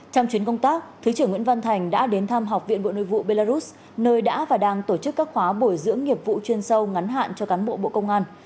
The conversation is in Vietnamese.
trong chuyến công tác thứ trưởng nguyễn văn thành đã đến thăm học viện bộ nội vụ belarus nơi đã và đang tổ chức các khóa bồi dưỡng nghiệp vụ chuyên sâu ngắn hạn cho cán bộ bộ công an